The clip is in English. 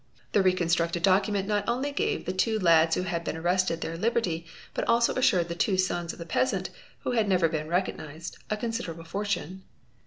'The reconstructed document not only gave the two lads who — had been arrested their liberty but also assured the two sons of the peasant, who had never been recognised, a considerable fortune.